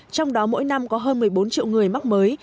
trong đó mỗi năm có hơn một mươi bốn triệu người mắc mới